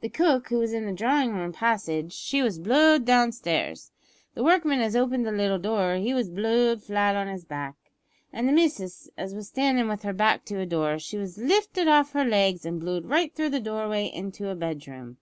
The cook, who was in the drawin' room passage, she was blow'd down stairs; the workman as opened the little door, he was blow'd flat on his back; an' the missis, as was standin' with her back to a door, she was lifted off her legs and blow'd right through the doorway into a bedroom."